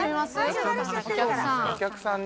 お客さん。